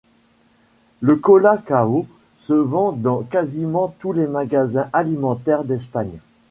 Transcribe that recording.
Le Cola Cao se vend dans quasiment tous les magasins alimentaires d'Espagne.